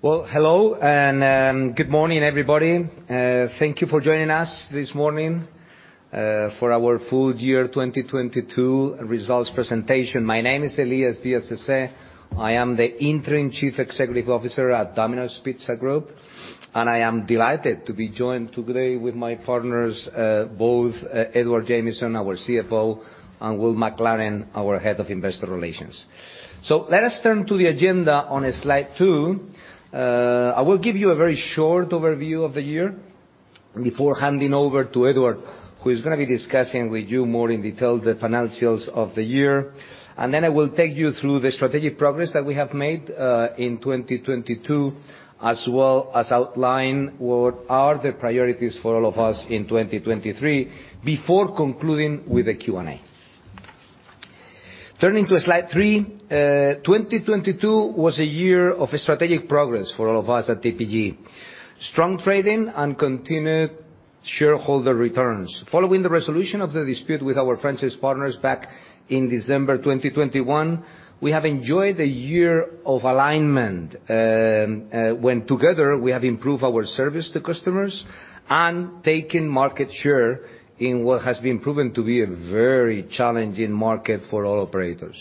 Hello and good morning, everybody. Thank you for joining us this morning for our Full Year 2022 Results Presentation. My name is Elias Diaz Sese. I am the Interim Chief Executive Officer at Domino's Pizza Group, and I am delighted to be joined today with my partners, both Edward Jamieson, our CFO, and Will Maclaren, our Head of Investor Relations. Let us turn to the agenda on slide 2. I will give you a very short overview of the year before handing over to Edward, who is gonna be discussing with you more in detail the financials of the year. I will take you through the strategic progress that we have made in 2022, as well as outline what are the priorities for all of us in 2023, before concluding with a Q&A. Turning to slide 3. 2022 was a year of strategic progress for all of us at DPG. Strong trading and continued shareholder returns. Following the resolution of the dispute with our franchise partners back in December 2021, we have enjoyed a year of alignment, when together we have improved our service to customers and taken market share in what has been proven to be a very challenging market for all operators.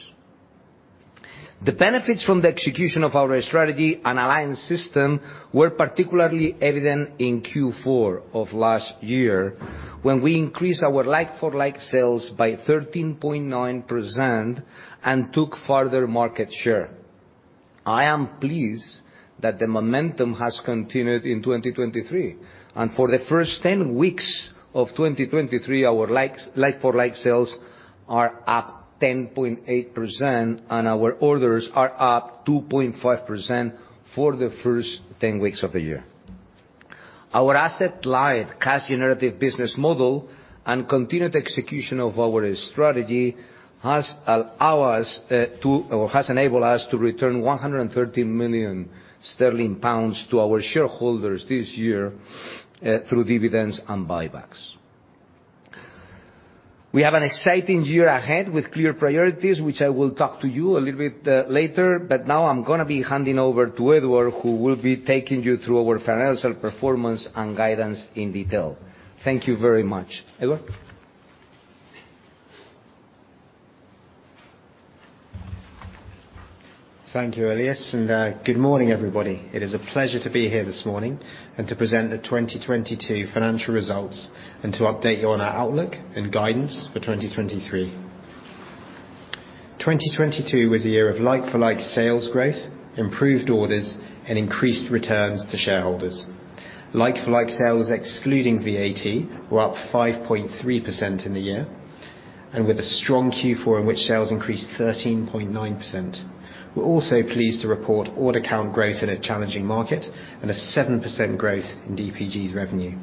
The benefits from the execution of our strategy and aligned system were particularly evident in Q4 of last year when we increased our like-for-like sales by 13.9% and took further market share. I am pleased that the momentum has continued in 2023, and for the first 10 weeks of 2023, our like-for-like sales are up 10.8%, and our orders are up 2.5% for the first 10 weeks of the year. Our asset-light cash generative business model and continued execution of our strategy has enabled us to return 113 million sterling to our shareholders this year through dividends and buybacks. We have an exciting year ahead with clear priorities, which I will talk to you a little bit later. Now I'm gonna be handing over to Edward, who will be taking you through our financial performance and guidance in detail. Thank you very much. Edward? Thank you, Elias, and good morning, everybody. It is a pleasure to be here this morning and to present the 2022 financial results and to update you on our outlook and guidance for 2023. 2022 was a year of like-for-like sales growth, improved orders, and increased returns to shareholders. Like-for-like sales excluding VAT were up 5.3% in the year, and with a strong Q4 in which sales increased 13.9%. We're also pleased to report order count growth in a challenging market and a 7% growth in DPG's revenue.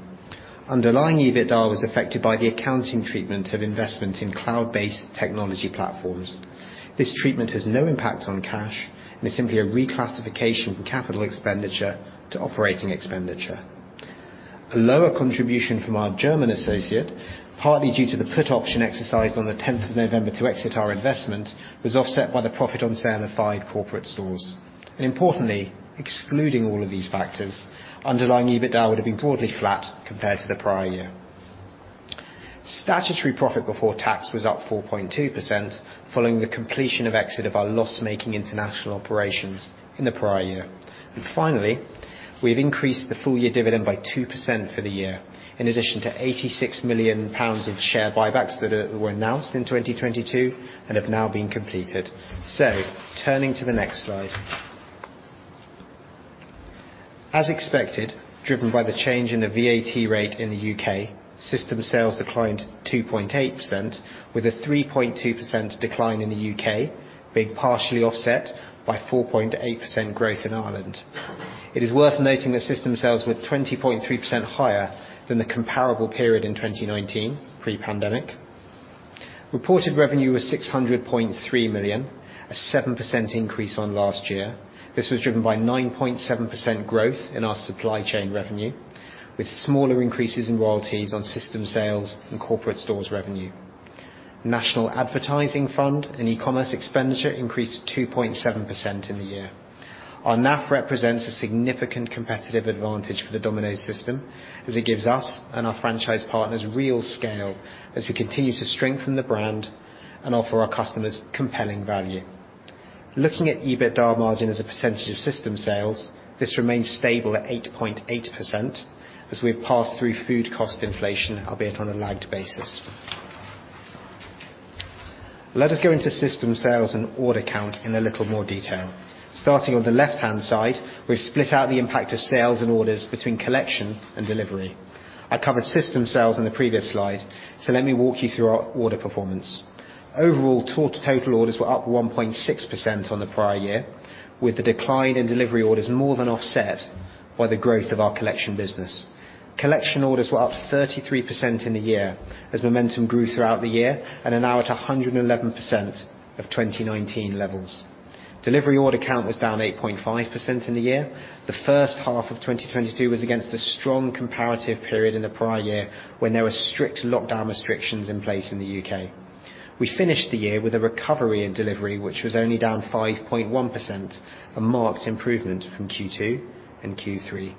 Underlying EBITDA was affected by the accounting treatment of investment in cloud-based technology platforms. This treatment has no impact on cash and is simply a reclassification from capital expenditure to operating expenditure. A lower contribution from our German associate, partly due to the put option exercised on the 10th of November to exit our investment, was offset by the profit on sale of five corporate stores. Importantly, excluding all of these factors, underlying EBITDA would have been broadly flat compared to the prior year. Statutory profit before tax was up 4.2% following the completion of exit of our loss-making international operations in the prior year. Finally, we've increased the full-year dividend by 2% for the year, in addition to 86 million pounds of share buybacks that were announced in 2022 and have now been completed. Turning to the next slide. As expected, driven by the change in the VAT rate in the U.K., system sales declined 2.8% with a 3.2% decline in the U.K. being partially offset by 4.8% growth in Ireland. It is worth noting that system sales were 20.3% higher than the comparable period in 2019, pre-pandemic. Reported revenue was 600.3 million, a 7% increase on last year. This was driven by 9.7% growth in our supply chain revenue, with smaller increases in royalties on system sales and corporate stores revenue. National advertising fund and e-commerce expenditure increased 2.7% in the year. Our NAF represents a significant competitive advantage for the Domino's system as it gives us and our franchise partners real scale as we continue to strengthen the brand and offer our customers compelling value. Looking at EBITDA margin as a percentage of system sales, this remains stable at 8.8% as we have passed through food cost inflation, albeit on a lagged basis. Let us go into system sales and order count in a little more detail. Starting on the left-hand side, we've split out the impact of sales and orders between collection and delivery. I covered system sales in the previous slide, so let me walk you through our order performance. Overall, total orders were up 1.6% on the prior year, with the decline in delivery orders more than offset by the growth of our collection business. Collection orders were up 33% in the year as momentum grew throughout the year and are now at 111% of 2019 levels. Delivery order count was down 8.5% in the year. The first half of 2022 was against a strong comparative period in the prior year when there were strict lockdown restrictions in place in the U.K. We finished the year with a recovery in delivery, which was only down 5.1%, a marked improvement from Q2 and Q3.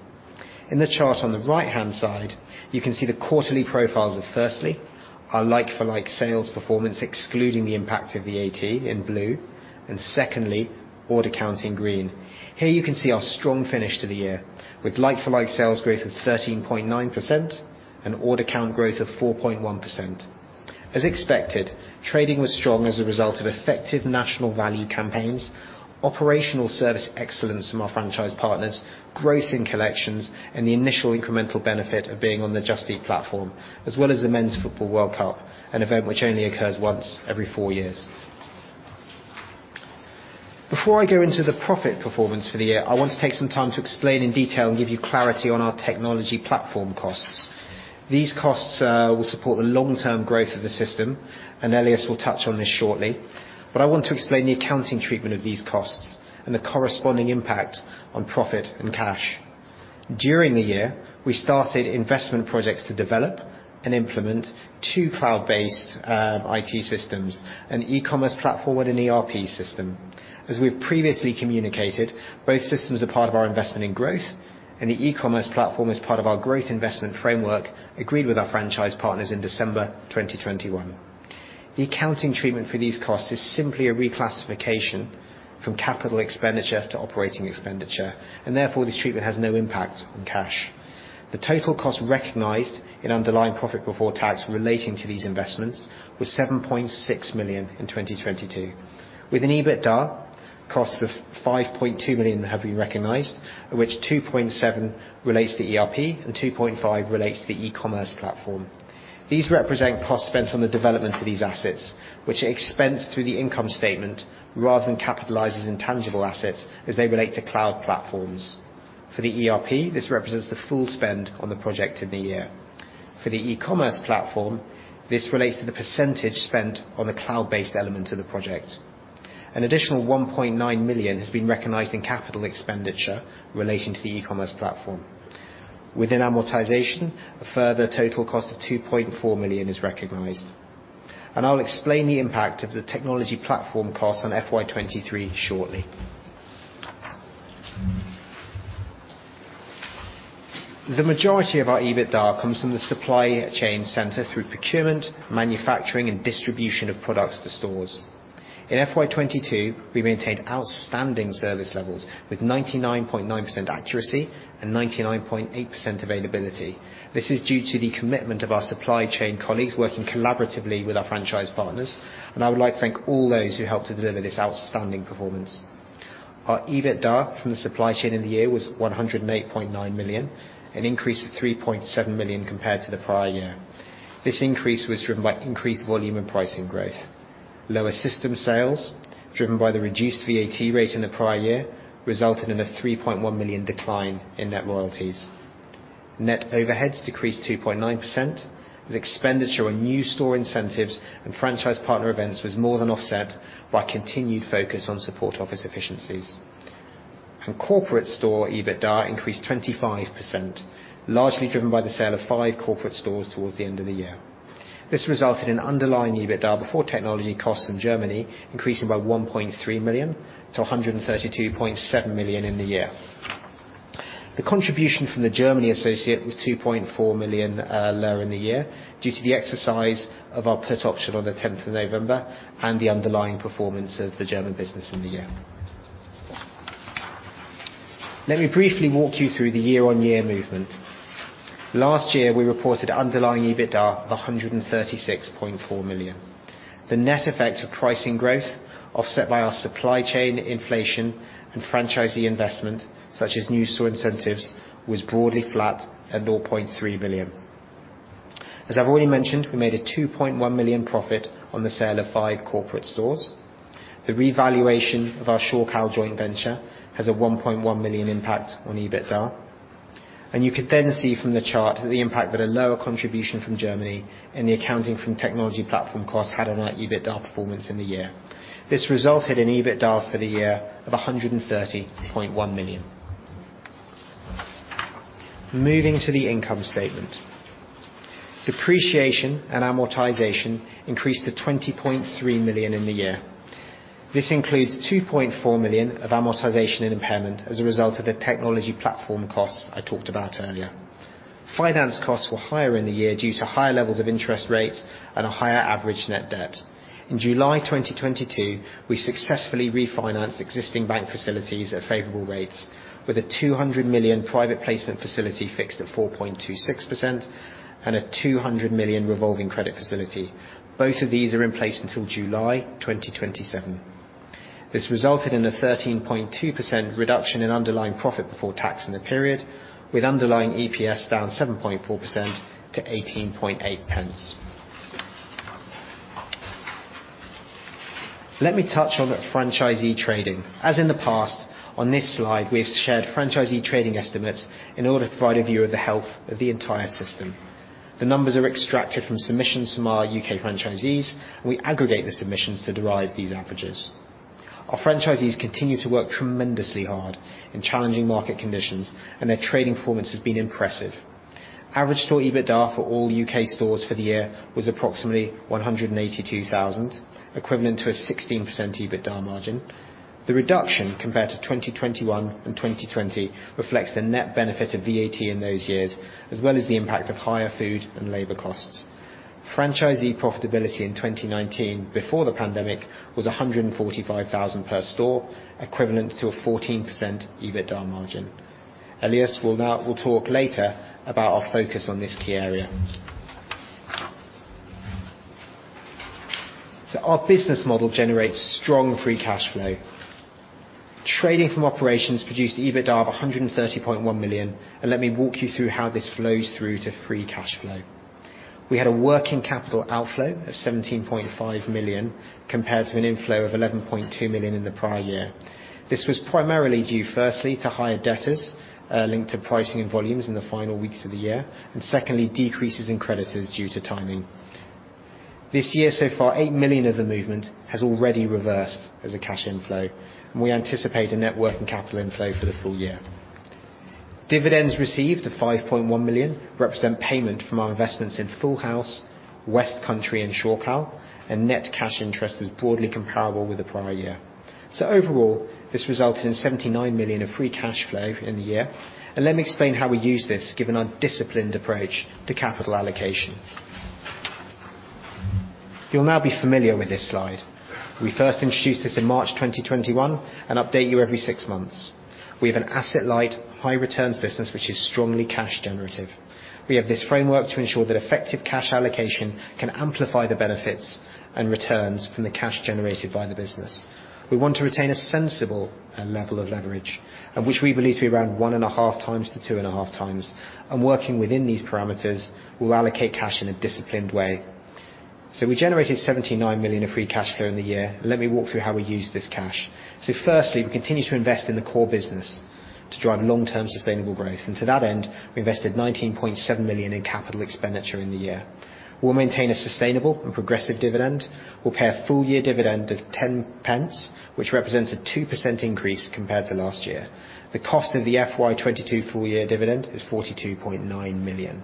In the chart on the right-hand side, you can see the quarterly profiles of firstly our like-for-like sales performance excluding the impact of VAT in blue, and secondly order count in green. Here, you can see our strong finish to the year with like-for-like sales growth of 13.9% and order count growth of 4.1%. As expected, trading was strong as a result of effective national value campaigns, operational service excellence from our franchise partners, growth in collections, and the initial incremental benefit of being on the Just Eat platform, as well as the Men's Football World Cup, an event which only occurs once every four years. Before I go into the profit performance for the year, I want to take some time to explain in detail and give you clarity on our technology platform costs. These costs will support the long-term growth of the system. Elias will touch on this shortly. I want to explain the accounting treatment of these costs and the corresponding impact on profit and cash. During the year, we started investment projects to develop and implement two cloud-based IT systems, an e-commerce platform and ERP system. As we have previously communicated, both systems are part of our investment in growth, and the e-commerce platform is part of our growth investment framework agreed with our franchise partners in December 2021. The accounting treatment for these costs is simply a reclassification from capital expenditure to operating expenditure, and therefore, this treatment has no impact on cash. The total cost recognized in underlying profit before tax relating to these investments was 7.6 million in 2022. With an EBITDA, costs of 5.2 million have been recognized, of which 2.7 million relates to ERP, and 2.5 million relates to the e-commerce platform. These represent costs spent on the development of these assets, which are expensed through the income statement rather than capitalized in tangible assets as they relate to cloud platforms. For the ERP, this represents the full spend on the project in the year. For the e-commerce platform, this relates to the percentage spent on the cloud-based element of the project. An additional 1.9 million has been recognized in capital expenditure relating to the e-commerce platform. Within amortization, a further total cost of 2.4 million is recognized. I'll explain the impact of the technology platform cost on FY 2023 shortly. The majority of our EBITDA comes from the supply chain center through procurement, manufacturing, and distribution of products to stores. In FY 2022, we maintained outstanding service levels with 99.9% accuracy and 99.8% availability. This is due to the commitment of our supply chain colleagues working collaboratively with our franchise partners, and I would like to thank all those who helped to deliver this outstanding performance. Our EBITDA from the supply chain in the year was 108.9 million, an increase of 3.7 million compared to the prior year. This increase was driven by increased volume and pricing growth. Lower system sales, driven by the reduced VAT rate in the prior year, resulted in a 3.1 million decline in net royalties. Net overheads decreased 2.9%, with expenditure on new store incentives and franchise partner events was more than offset by continued focus on support office efficiencies. Corporate store EBITDA increased 25%, largely driven by the sale of five corporate stores towards the end of the year. This resulted in underlying EBITDA before technology costs in Germany increasing by 1.3 million to 132.7 million in the year. The contribution from the Germany associate was 2.4 million lower in the year due to the exercise of our put option on the 10th of November and the underlying performance of the German business in the year. Let me briefly walk you through the year-on-year movement. Last year, we reported underlying EBITDA of 136.4 million. The net effect of pricing growth, offset by our supply chain inflation and franchisee investment, such as new store incentives, was broadly flat at 300 million. As I've already mentioned, I made a 2.1 million profit on the sale of five corporate stores. The revaluation of our Shorecal joint venture has a 1.1 million impact on EBITDA. You can then see from the chart the impact that a lower contribution from Germany and the accounting from technology platform costs had on our EBITDA performance in the year. This resulted in EBITDA for the year of 130.1 million. Moving to the income statement. Depreciation and amortization increased to 20.3 million in the year. This includes 2.4 million of amortization and impairment as a result of the technology platform costs I talked about earlier. Finance costs were higher in the year due to higher levels of interest rates and a higher average net debt. In July 2022, we successfully refinanced existing bank facilities at favorable rates with a 200 million private placement facility fixed at 4.26% and a 200 million revolving credit facility. Both of these are in place until July 2027. This resulted in a 13.2% reduction in underlying profit before tax in the period, with underlying EPS down 7.4% to GBP 0.188. Let me touch on the franchisee trading. As in the past, on this slide we have shared franchisee trading estimates in order to provide a view of the health of the entire system. The numbers are extracted from submissions from our U.K. franchisees, and we aggregate the submissions to derive these averages. Our franchisees continue to work tremendously hard in challenging market conditions, and their trading performance has been impressive. Average store EBITDA for all U.K. stores for the year was approximately 182,000, equivalent to a 16% EBITDA margin. The reduction compared to 2021 and 2020 reflects the net benefit of VAT in those years, as well as the impact of higher food and labor costs. Franchisee profitability in 2019 before the pandemic was 145,000 per store, equivalent to a 14% EBITDA margin. Elias will talk later about our focus on this key area. Our business model generates strong free cash flow. Trading from operations produced EBITDA of 130.1 million. Let me walk you through how this flows through to free cash flow. We had a working capital outflow of 17.5 million, compared to an inflow of 11.2 million in the prior year. This was primarily due firstly to higher debtors, linked to pricing and volumes in the final weeks of the year, and secondly, decreases in creditors due to timing. This year so far, 8 million of the movement has already reversed as a cash inflow, and we anticipate a net working capital inflow for the full year. Dividends received of 5.1 million represent payment from our investments in Full House, West Country and Shorecal, and net cash interest was broadly comparable with the prior year. Overall, this resulted in 79 million of free cash flow in the year, and let me explain how we use this, given our disciplined approach to capital allocation. You'll now be familiar with this slide. We first introduced this in March 2021 and update you every six months. We have an asset-light, high returns business which is strongly cash generative. We have this framework to ensure that effective cash allocation can amplify the benefits and returns from the cash generated by the business. We want to retain a sensible level of leverage which we believe to be around 1.5x-2.5x, and working within these parameters, we'll allocate cash in a disciplined way. We generated 79 million of free cash flow in the year. Let me walk through how we use this cash. Firstly, we continue to invest in the core business to drive long-term sustainable growth. To that end, we invested 19.7 million in capital expenditure in the year. We'll maintain a sustainable and progressive dividend. We'll pay a full year dividend of 0.10, which represents a 2% increase compared to last year. The cost of the FY 2022 full year dividend is 42.9 million.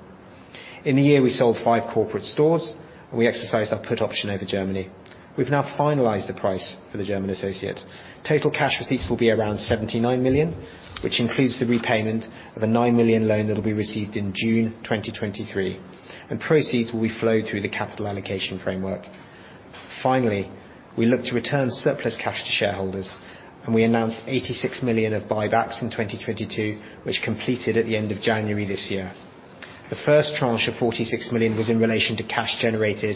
In the year we sold five corporate stores and we exercised our put option over Germany. We've now finalized the price for the German associate. Total cash receipts will be around 79 million, which includes the repayment of a 9 million loan that will be received in June 2023, and proceeds will be flowed through the capital allocation framework. Finally, we look to return surplus cash to shareholders, and we announced 86 million of buybacks in 2022, which completed at the end of January this year. The first tranche of 46 million was in relation to cash generated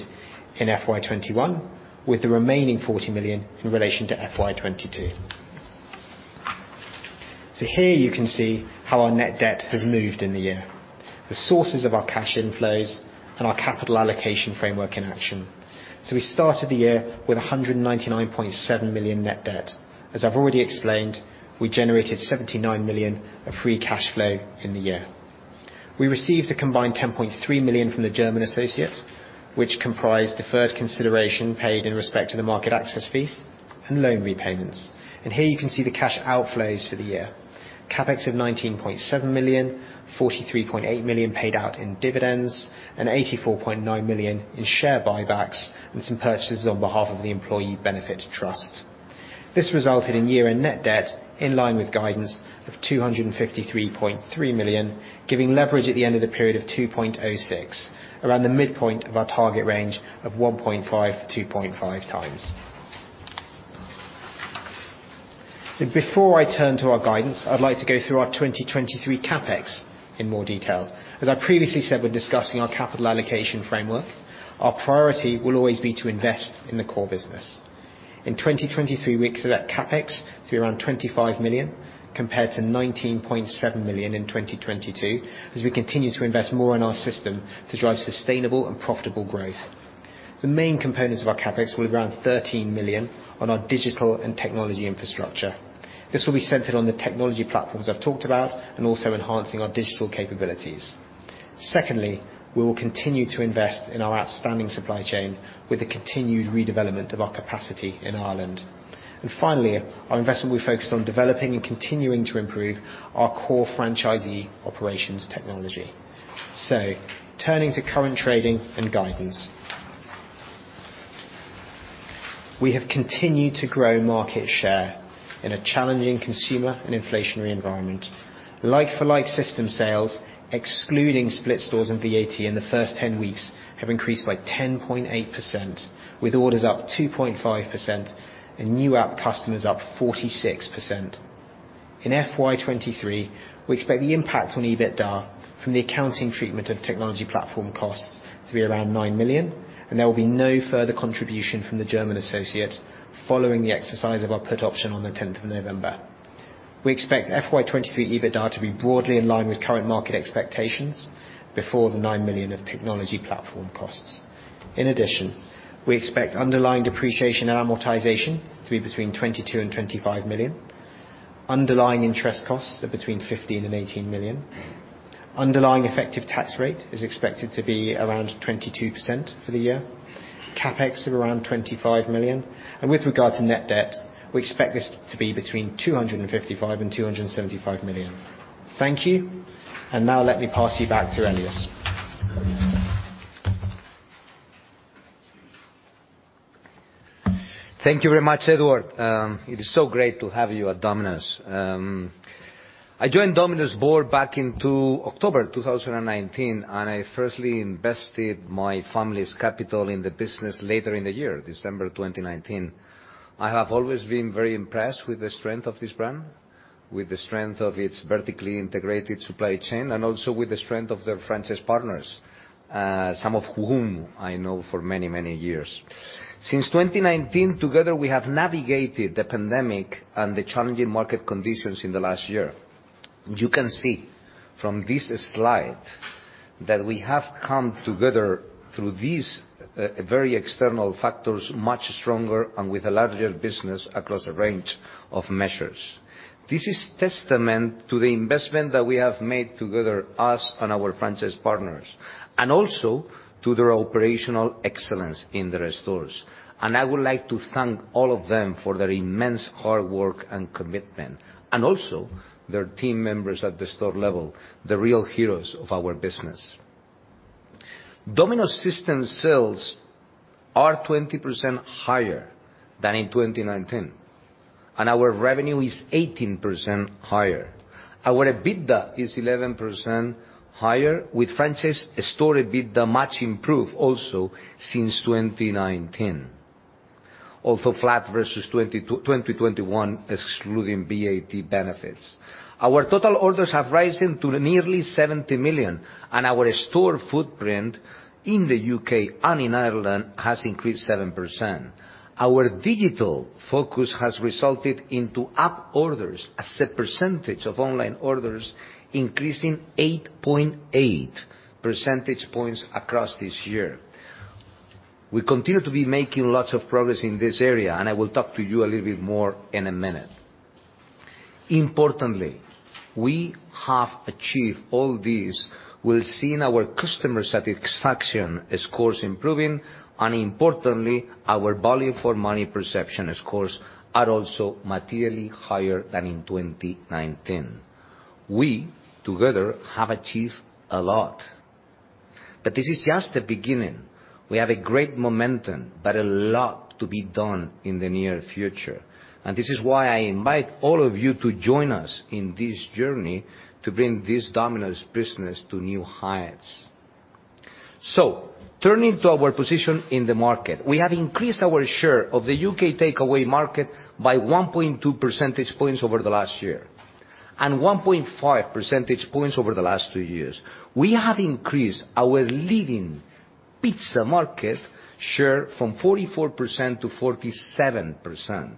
in FY 2021, with the remaining 40 million in relation to FY 2022. Here you can see how our net debt has moved in the year, the sources of our cash inflows and our capital allocation framework in action. We started the year with 199.7 million net debt. As I've already explained, we generated 79 million of free cash flow in the year. We received a combined 10.3 million from the German associate, which comprised deferred consideration paid in respect to the market access fee and loan repayments. Here you can see the cash outflows for the year. CapEx of 19.7 million, 43.8 million paid out in dividends, and 84.9 million in share buybacks and some purchases on behalf of the Employee Benefit Trust. This resulted in year-end net debt in line with guidance of 253.3 million, giving leverage at the end of the period of 2.06x, around the midpoint of our target range of 1.5x-2.5x. Before I turn to our guidance, I'd like to go through our 2023 CapEx in more detail. As I previously said, when discussing our capital allocation framework, our priority will always be to invest in the core business. In 2023, we expect CapEx to be around 25 million, compared to 19.7 million in 2022, as we continue to invest more in our system to drive sustainable and profitable growth. The main components of our CapEx will be around 13 million on our digital and technology infrastructure. This will be centered on the technology platforms I've talked about and also enhancing our digital capabilities. Secondly, we will continue to invest in our outstanding supply chain with the continued redevelopment of our capacity in Ireland. Finally, our investment will be focused on developing and continuing to improve our core franchisee operations technology. Turning to current trading and guidance. We have continued to grow market share in a challenging consumer and inflationary environment. Like-for-like system sales, excluding split stores and VAT in the first 10 weeks, have increased by 10.8%, with orders up 2.5% and new app customers up 46%. In FY 2023, we expect the impact on EBITDA from the accounting treatment of technology platform costs to be around 9 million. There will be no further contribution from the German associate following the exercise of our put option on the 10th of November. We expect FY 2023 EBITDA to be broadly in line with current market expectations before the 9 million of technology platform costs. In addition, we expect underlying depreciation and amortization to be between 22 million and 25 million. Underlying interest costs are between 15 million and 18 million. Underlying effective tax rate is expected to be around 22% for the year. CapEx of around 25 million. With regard to net debt, we expect this to be between 255 million and 275 million. Thank you. Now let me pass you back to Elias. Thank you very much, Edward. It is so great to have you at Domino's. I joined Domino's board back into October 2019, and I firstly invested my family's capital in the business later in the year, December 2019. I have always been very impressed with the strength of this brand, with the strength of its vertically integrated supply chain, and also with the strength of their franchise partners, some of whom I know for many years. Since 2019, together, we have navigated the pandemic and the challenging market conditions in the last year. You can see from this slide that we have come together through these very external factors much stronger and with a larger business across a range of measures. This is testament to the investment that we have made together, us and our franchise partners, and also to their operational excellence in the restaurants. I would like to thank all of them for their immense hard work and commitment, and also their team members at the store level, the real heroes of our business. Domino's system sales are 20% higher than in 2019, and our revenue is 18% higher. Our EBITDA is 11% higher, with franchise store EBITDA much improved also since 2019. Also flat versus 2021, excluding VAT benefits. Our total orders have risen to nearly 70 million, and our store footprint in the U.K. and in Ireland has increased 7%. Our digital focus has resulted into app orders as a percentage of online orders, increasing 8.8 percentage points across this year. We continue to be making lots of progress in this area, and I will talk to you a little bit more in a minute. Importantly, we have achieved all this while seeing our customer satisfaction scores improving, and importantly, our value for money perception scores are also materially higher than in 2019. We together have achieved a lot. This is just the beginning. We have a great momentum, but a lot to be done in the near future. This is why I invite all of you to join us in this journey to bring this Domino's business to new heights. Turning to our position in the market. We have increased our share of the U.K. takeaway market by 1.2 percentage points over the last year, and 1.5 percentage points over the last two years. We have increased our leading pizza market share from 44% to 47%,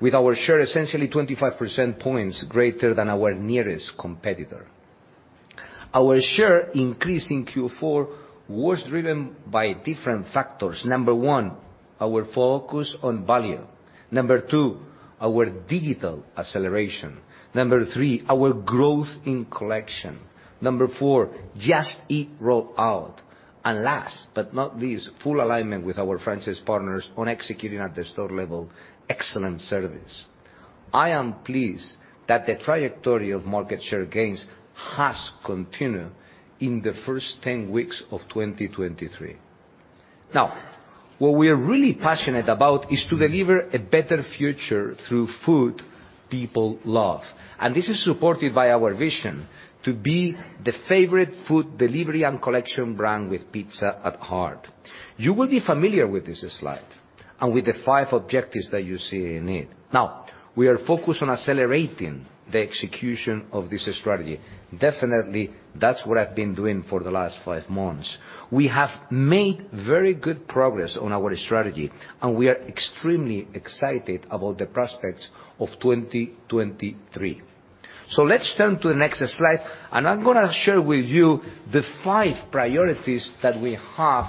with our share essentially 25 percentage points greater than our nearest competitor. Our share increase in Q4 was driven by different factors. Number one, our focus on value. Number two, our digital acceleration. Number three, our growth in collection. Number four, Just Eat roll out. Last but not least, full alignment with our franchise partners on executing at the store level, excellent service. I am pleased that the trajectory of market share gains has continued in the first 10 weeks of 2023. What we are really passionate about is to deliver a better future through food people love, and this is supported by our vision to be the favorite food delivery and collection brand with pizza at heart. You will be familiar with this slide and with the five objectives that you see in it. We are focused on accelerating the execution of this strategy. Definitely, that's what I've been doing for the last five months. We have made very good progress on our strategy, and we are extremely excited about the prospects of 2023. Let's turn to the next slide, and I'm gonna share with you the five priorities that we have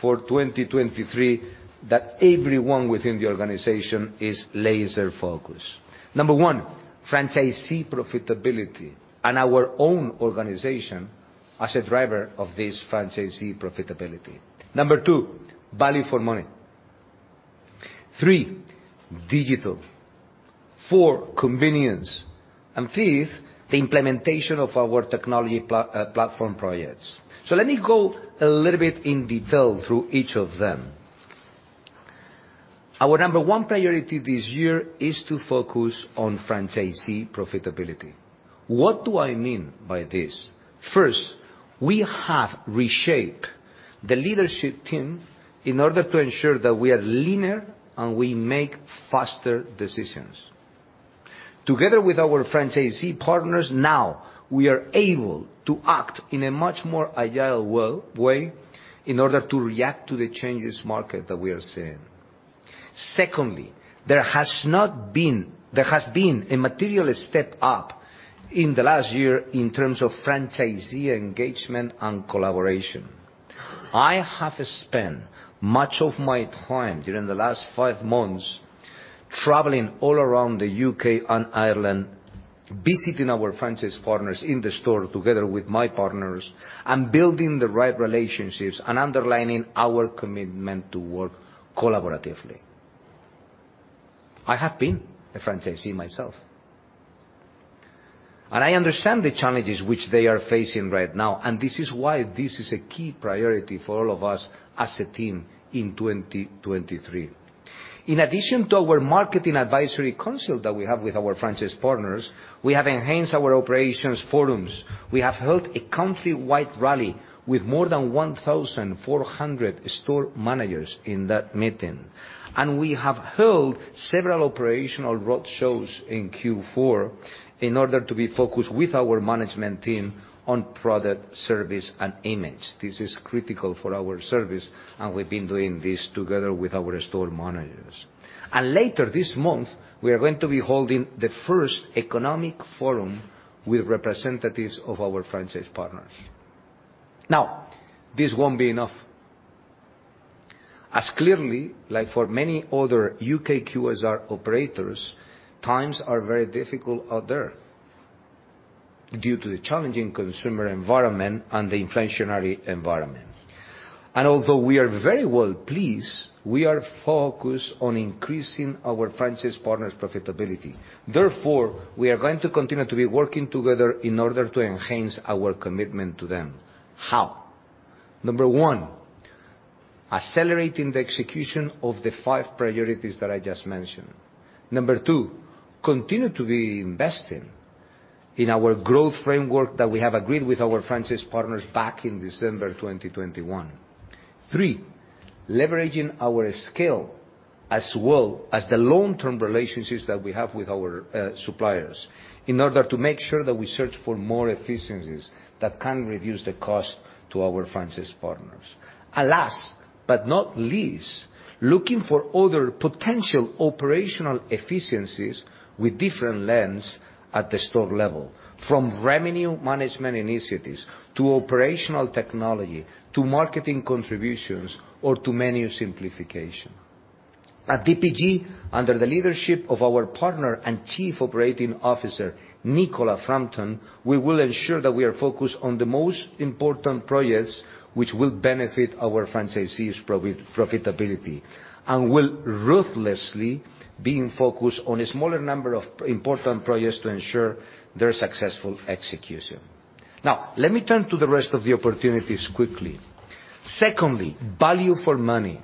for 2023 that everyone within the organization is laser-focused. Number one, franchisee profitability and our own organization as a driver of this franchisee profitability. Number two, value for money. Three, digital. Four, convenience. Fifth, the implementation of our technology platform projects. Let me go a little bit in detail through each of them. Our number one priority this year is to focus on franchisee profitability. What do I mean by this? First, we have reshaped the leadership team in order to ensure that we are leaner and we make faster decisions. Together with our franchisee partners, now we are able to act in a much more agile way in order to react to the changing market that we are seeing. Secondly, there has been a material step up in the last year in terms of franchisee engagement and collaboration. I have spent much of my time during the last five months traveling all around the U.K. and Ireland, visiting our franchise partners in the store together with my partners, and building the right relationships and underlining our commitment to work collaboratively. I have been a franchisee myself, I understand the challenges which they are facing right now, this is why this is a key priority for all of us as a team in 2023. In addition to our Marketing Advisory Council that we have with our franchise partners, we have enhanced our operations forums. We have held a country-wide rally with more than 1,400 store managers in that meeting. We have held several operational roadshows in Q4 in order to be focused with our management team on product, service, and image. This is critical for our service, we've been doing this together with our store managers. Later this month, we are going to be holding the first economic forum with representatives of our franchise partners. This won't be enough. As clearly, like for many other U.K. QSR operators, times are very difficult out there due to the challenging consumer environment and the inflationary environment. Although we are very well pleased, we are focused on increasing our franchise partners' profitability. Therefore, we are going to continue to be working together in order to enhance our commitment to them. How? One. accelerating the execution of the five priorities that I just mentioned. Two. continue to be investing in our growth framework that we have agreed with our franchise partners back in December 2021. Three. leveraging our scale as well as the long-term relationships that we have with our suppliers in order to make sure that we search for more efficiencies that can reduce the cost to our franchise partners. Last but not least, looking for other potential operational efficiencies with different lens at the store level, from revenue management initiatives to operational technology, to marketing contributions or to menu simplification. At DPG, under the leadership of our partner and Chief Operating Officer, Nicola Frampton, we will ensure that we are focused on the most important projects which will benefit our franchisees profitability, and will ruthlessly be in focus on a smaller number of important projects to ensure their successful execution. Let me turn to the rest of the opportunities quickly. Secondly, value for money.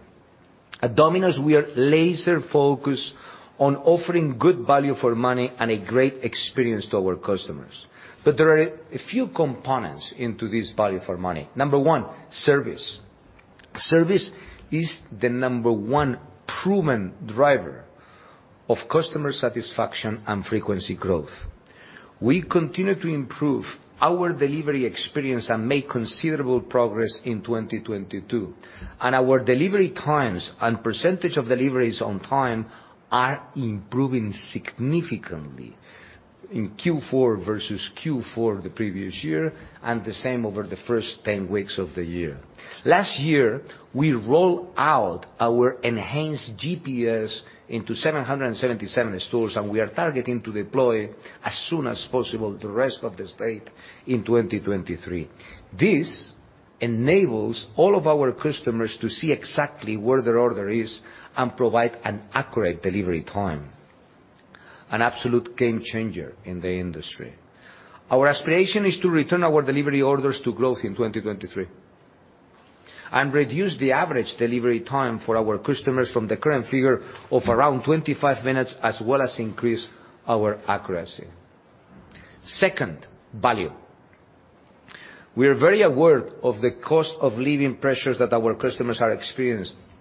At Domino's, we are laser-focused on offering good value for money and a great experience to our customers. There are a few components into this value for money. Number one, service. Service is the number one proven driver of customer satisfaction and frequency growth. We continue to improve our delivery experience and make considerable progress in 2022, and our delivery times and percentage of deliveries on time are improving significantly in Q4 versus Q4 the previous year and the same over the first 10 weeks of the year. Last year, we roll out our enhanced GPS into 777 stores, and we are targeting to deploy as soon as possible the rest of the state in 2023. This enables all of our customers to see exactly where their order is and provide an accurate delivery time, an absolute game changer in the industry. Our aspiration is to return our delivery orders to growth in 2023 and reduce the average delivery time for our customers from the current figure of around 25 minutes as well as increase our accuracy. Second, value. We are very aware of the cost of living pressures that our customers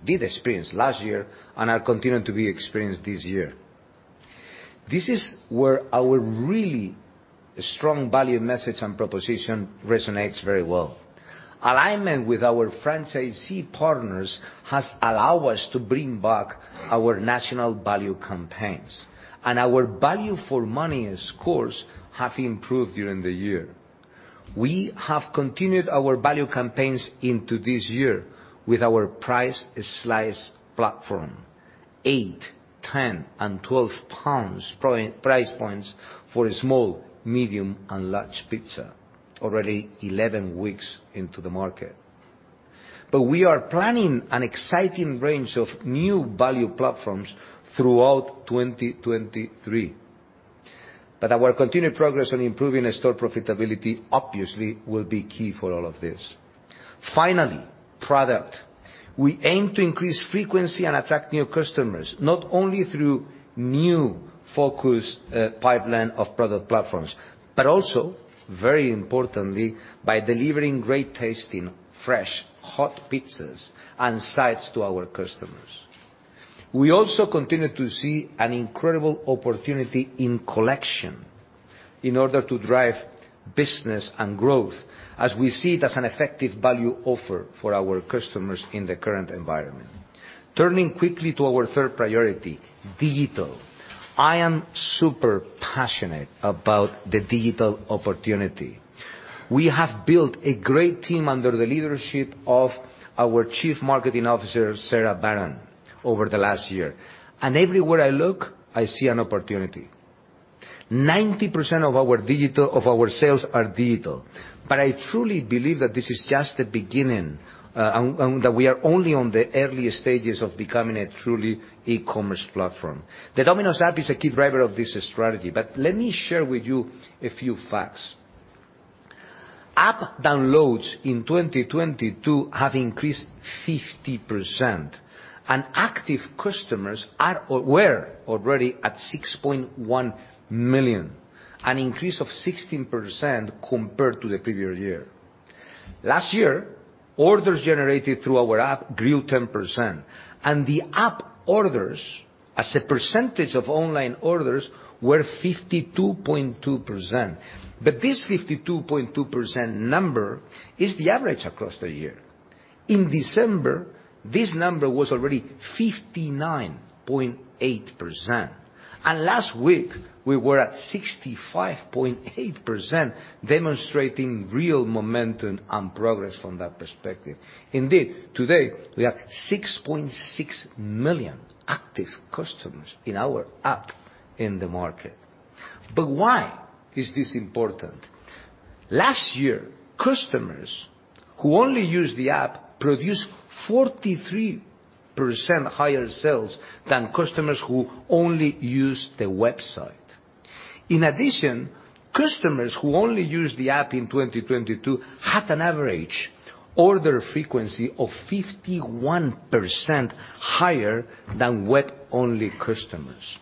did experience last year and are continuing to be experienced this year. This is where our really strong value message and proposition resonates very well. Alignment with our franchisee partners has allow us to bring back our national value campaigns, and our value for money scores have improved during the year. We have continued our value campaigns into this year with our Price Slice platform, 8, 10, and 12 pounds price points for a small, medium, and large pizza, already 11 weeks into the market. We are planning an exciting range of new value platforms throughout 2023. Our continued progress on improving store profitability obviously will be key for all of this. Finally, product. We aim to increase frequency and attract new customers, not only through new focused pipeline of product platforms, but also, very importantly, by delivering great-tasting, fresh, hot pizzas and sides to our customers. We also continue to see an incredible opportunity in collection in order to drive business and growth as we see it as an effective value offer for our customers in the current environment. Turning quickly to our third priority, digital. I am super passionate about the digital opportunity. We have built a great team under the leadership of our Chief Marketing Officer, Sarah Barron, over the last year. Everywhere I look, I see an opportunity. 90% of our sales are digital. I truly believe that this is just the beginning and that we are only on the early stages of becoming a truly e-commerce platform. The Domino's app is a key driver of this strategy. Let me share with you a few facts. App downloads in 2022 have increased 50%, and active customers were already at 6.1 million, an increase of 16% compared to the previous year. Last year, orders generated through our app grew 10%, and the app orders as a percentage of online orders were 52.2%. This 52.2% number is the average across the year. In December, this number was already 59.8%. Last week, we were at 65.8%, demonstrating real momentum and progress from that perspective. Indeed, today, we have 6.6 million active customers in our app in the market. Why is this important? Last year, customers who only used the app produced 43% higher sales than customers who only used the website. Customers who only used the app in 2022 had an average order frequency of 51% higher than web-only customers.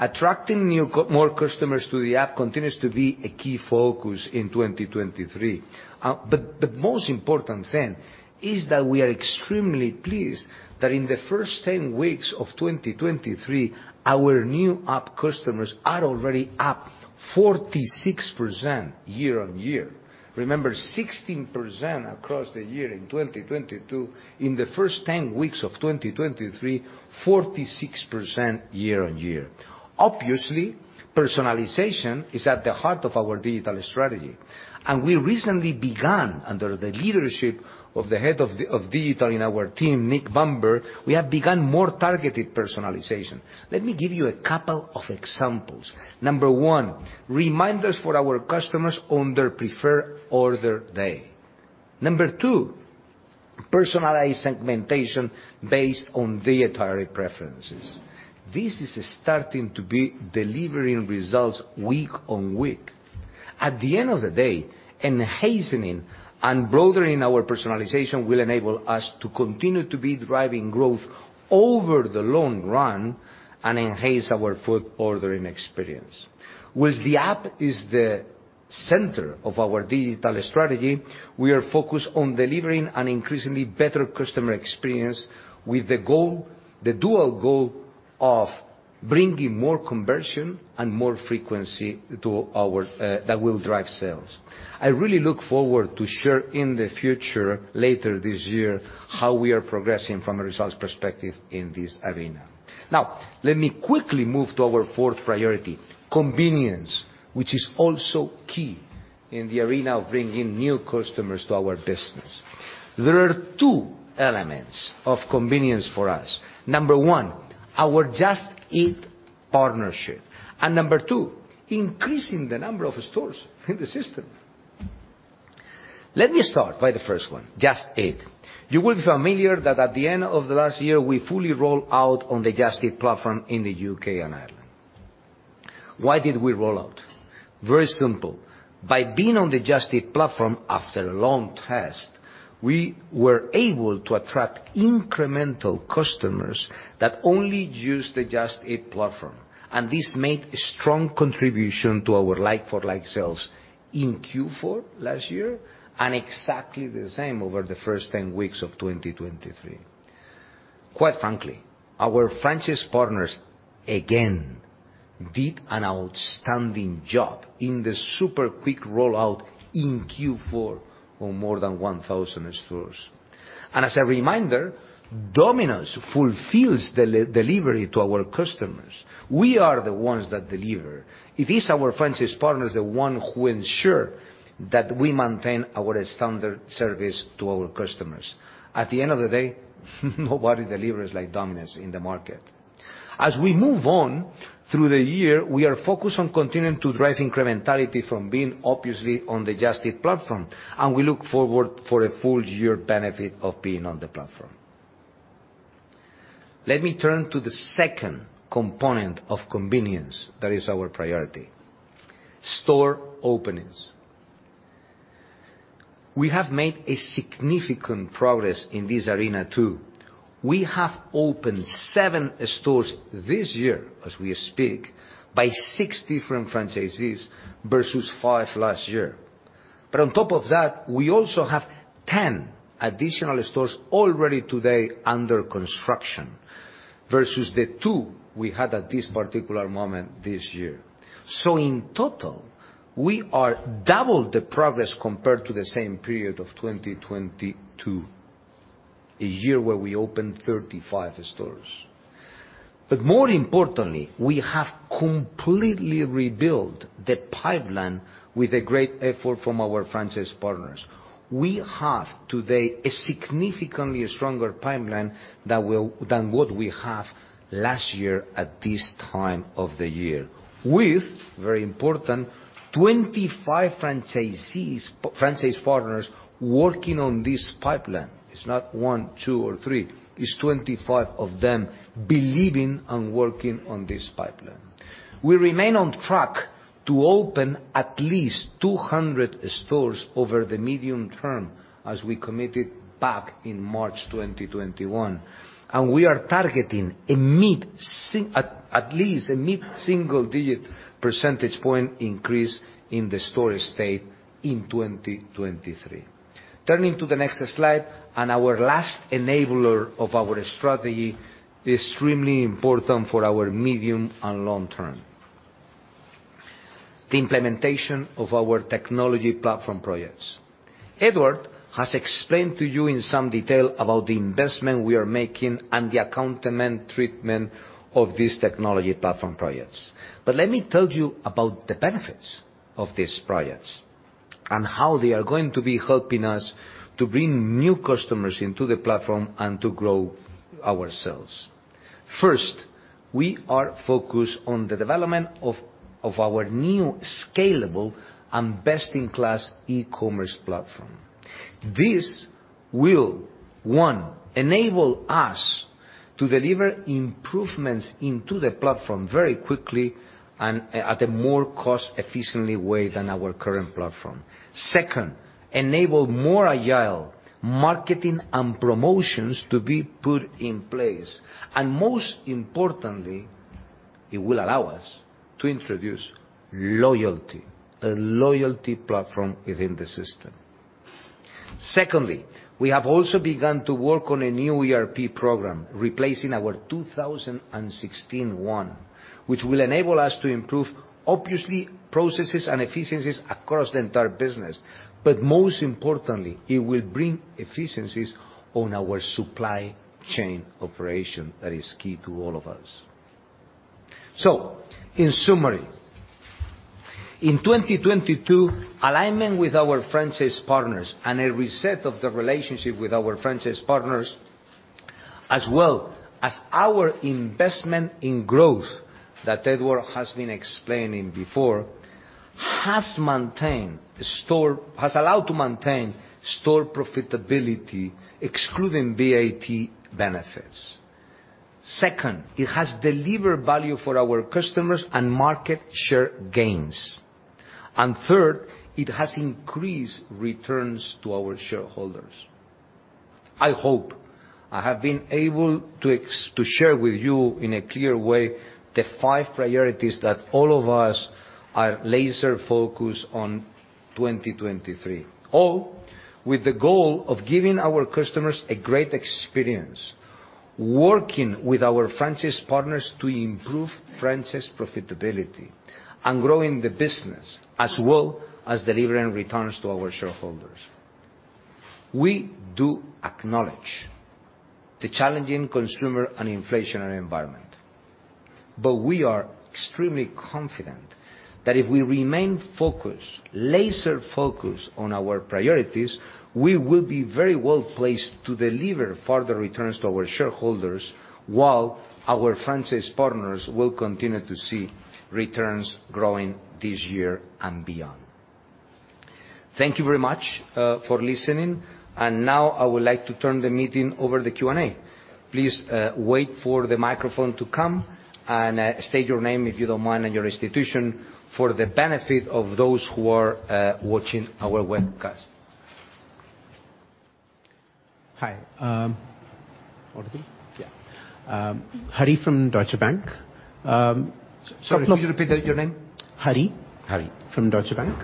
Attracting more customers to the app continues to be a key focus in 2023. The most important thing is that we are extremely pleased that in the first 10 weeks of 2023, our new app customers are already up 46% year on year. Remember, 16% across the year in 2022. In the first 10 weeks of 2023, 46% year on year. Personalization is at the heart of our digital strategy. We recently began, under the leadership of the head of digital in our team, Nick Bamber, we have begun more targeted personalization. Let me give you a couple of examples. Number one, reminders for our customers on their preferred order day. Number two, personalized segmentation based on their entire preferences. This is starting to be delivering results week on week. At the end of the day, enhancing and broadening our personalization will enable us to continue to be driving growth over the long run and enhance our food ordering experience. With the app is the center of our digital strategy, we are focused on delivering an increasingly better customer experience with the goal, the dual goal of bringing more conversion and more frequency that will drive sales. I really look forward to share in the future, later this year, how we are progressing from a results perspective in this arena. Now, let me quickly move to our fourth priority, convenience, which is also key in the arena of bringing new customers to our business. There are two elements of convenience for us. Number one, our Just Eat partnership, and number two, increasing the number of stores in the system. Let me start by the first one, Just Eat. You will be familiar that at the end of last year, we fully rolled out on the Just Eat platform in the U.K. and Ireland. Why did we roll out? Very simple. By being on the Just Eat platform after a long test, we were able to attract incremental customers that only used the Just Eat platform. This made a strong contribution to our like-for-like sales in Q4 last year, exactly the same over the first 10 weeks of 2023. Quite frankly, our franchise partners, again, did an outstanding job in the super quick rollout in Q4 on more than 1,000 stores. As a reminder, Domino's fulfills delivery to our customers. We are the ones that deliver. It is our franchise partners, the one who ensure that we maintain our standard service to our customers. At the end of the day, nobody delivers like Domino's in the market. As we move on through the year, we are focused on continuing to drive incrementality from being obviously on the Just Eat platform, and we look forward for a full year benefit of being on the platform. Let me turn to the second component of convenience that is our priority, store openings. We have made significant progress in this arena too. We have opened seven stores this year, as we speak, by six different franchisees versus five last year. On top of that, we also have 10 additional stores already today under construction versus the two we had at this particular moment this year. In total, we are double the progress compared to the same period of 2022. A year where we opened 35 stores. More importantly, we have completely rebuilt the pipeline with a great effort from our franchise partners. We have today a significantly stronger pipeline than what we have last year at this time of the year, with, very important, 25 franchisees, franchise partners working on this pipeline. It's not one, two, or three, it's 25 of them believing and working on this pipeline. We remain on track to open at least 200 stores over the medium term as we committed back in March 2021. We are targeting at least a mid-single digit percentage point increase in the store estate in 2023. Turning to the next slide, our last enabler of our strategy, extremely important for our medium and long term, the implementation of our technology platform projects. Edward has explained to you in some detail about the investment we are making and the accounting treatment of these technology platform projects. Let me tell you about the benefits of these projects and how they are going to be helping us to bring new customers into the platform and to grow our sales. First, we are focused on the development of our new scalable and best-in-class e-commerce platform. This will, one, enable us to deliver improvements into the platform very quickly and at a more cost efficiently way than our current platform. Second, enable more agile marketing and promotions to be put in place, and most importantly, it will allow us to introduce loyalty, a loyalty platform within the system. Secondly, we have also begun to work on a new ERP program, replacing our 2016 one, which will enable us to improve, obviously, processes and efficiencies across the entire business. Most importantly, it will bring efficiencies on our supply chain operation that is key to all of us. In summary, in 2022, alignment with our franchise partners and a reset of the relationship with our franchise partners, as well as our investment in growth that Edward has been explaining before, has allowed to maintain store profitability, excluding VAT benefits. Second, it has delivered value for our customers and market share gains. Third, it has increased returns to our shareholders. I hope I have been able to share with you in a clear way the five priorities that all of us are laser focused on 2023. With the goal of giving our customers a great experience, working with our franchise partners to improve franchise profitability, and growing the business, as well as delivering returns to our shareholders. We do acknowledge the challenging consumer and inflationary environment, but we are extremely confident that if we remain focused, laser focused on our priorities, we will be very well placed to deliver further returns to our shareholders while our franchise partners will continue to see returns growing this year and beyond. Thank you very much for listening. Now I would like to turn the meeting over to Q&A. Please wait for the microphone to come, and state your name if you don't mind, and your institution, for the benefit of those who are watching our webcast. Hi, One, two? Hari from Deutsche Bank. Sorry, could you repeat that, your name? Hari. Hari. From Deutsche Bank.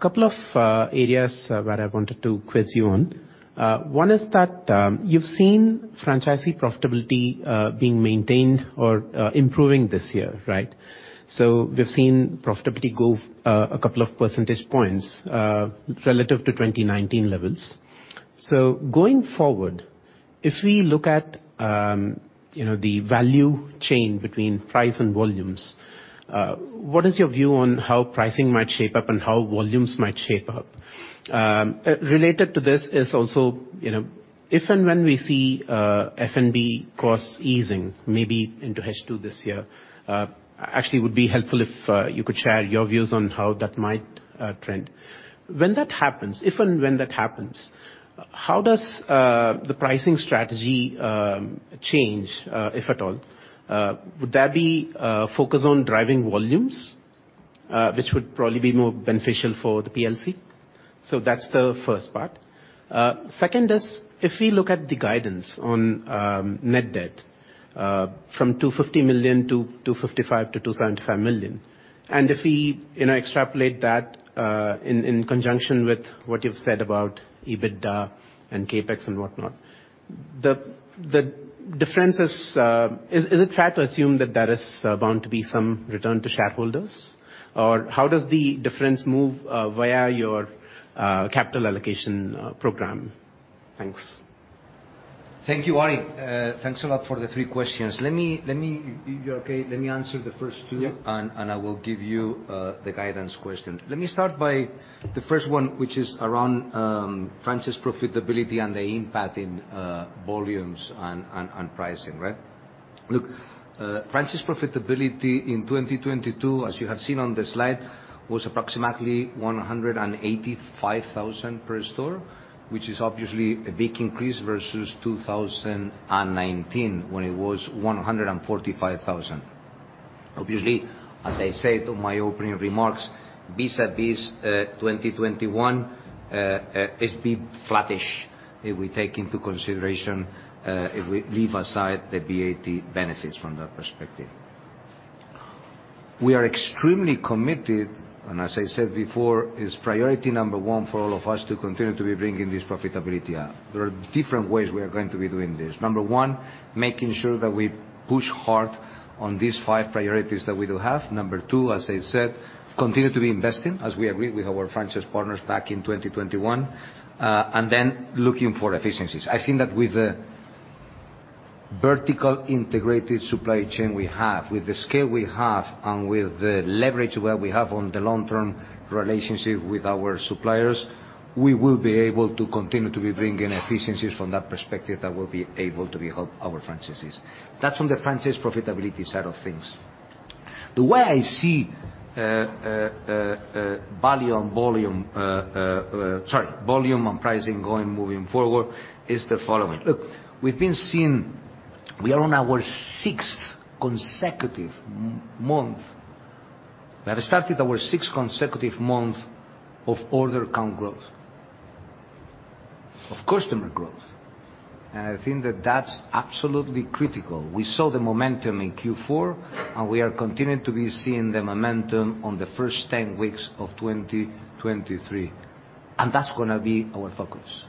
Couple of areas where I wanted to quiz you on. One is that you've seen franchisee profitability being maintained or improving this year, right? We've seen profitability go a couple of percentage points relative to 2019 levels. Going forward, if we look at, you know, the value chain between price and volumes, what is your view on how pricing might shape up and how volumes might shape up? Related to this is also, you know, if and when we see F&B costs easing maybe into H2 this year, actually it would be helpful if you could share your views on how that might trend. When that happens, if and when that happens, how does the pricing strategy change, if at all? Would that be focused on driving volumes? Which would probably be more beneficial for the PLC. That's the first part. Second is if we look at the guidance on net debt from 250 million to 255 million-275 million, and if we, you know, extrapolate that in conjunction with what you've said about EBITDA and CapEx and whatnot. Is it fair to assume that there is going to be some return to shareholders? Or how does the difference move via your capital allocation program? Thanks. Thank you, Hari. Thanks a lot for the three questions. Let me, if you're okay, let me answer the first two. Yeah. I will give you the guidance question. Let me start by the first one, which is around franchise profitability and the impact in volumes on pricing, right? Franchise profitability in 2022, as you have seen on the slide, was approximately 185,000 per store, which is obviously a big increase versus 2019 when it was 145,000. Obviously, as I said on my opening remarks, vis-a-vis 2021, it's been flattish if we take into consideration, if we leave aside the VAT benefits from that perspective. We are extremely committed, and as I said before, it's priority number one for all of us to continue to be bringing this profitability up. There are different ways we are going to be doing this. Number one, making sure that we push hard on these five priorities that we do have. Number two, as I said, continue to be investing, as we agreed with our franchise partners back in 2021. Then looking for efficiencies. I think that with the vertical integrated supply chain we have, with the scale we have, and with the leverage where we have on the long-term relationship with our suppliers, we will be able to continue to be bringing efficiencies from that perspective that will be able to be help our franchises. That's on the franchise profitability side of things. The way I see value on volume, sorry, volume on pricing going moving forward is the following. We've been seeing—we are on our sixth consecutive month. We have started our sixth consecutive month of order count growth, of customer growth. I think that that's absolutely critical. We saw the momentum in Q4, we are continuing to be seeing the momentum on the first 10 weeks of 2023. That's gonna be our focus.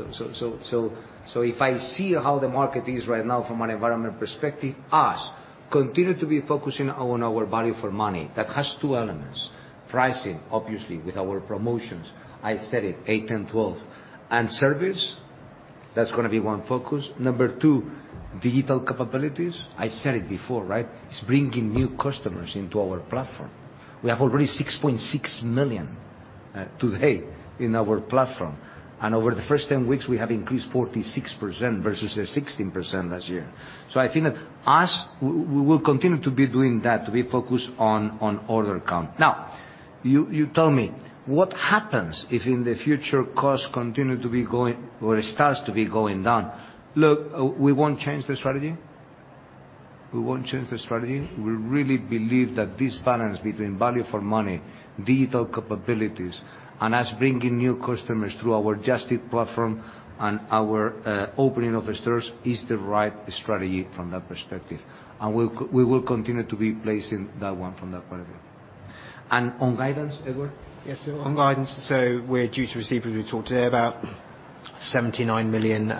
If I see how the market is right now from an environment perspective, us, continue to be focusing on our value for money. That has two elements, pricing, obviously, with our promotions, I said it, 8, 10, 12, and service. That's gonna be one focus. Number two, digital capabilities. I said it before, right? It's bringing new customers into our platform. We have already 6.6 million today in our platform. Over the first 10 weeks, we have increased 46% versus the 16% last year. I think that us, we will continue to be doing that, to be focused on order count. You, you tell me, what happens if in the future costs continue to be going or it starts to be going down? We won't change the strategy. We won't change the strategy. We really believe that this balance between value for money, digital capabilities, and us bringing new customers through our Just Eat platform and our opening of stores is the right strategy from that perspective. We will continue to be placing that one from that point of view. On guidance, Edward? Yes. On guidance, we're due to receive, as we talked today, about 79 million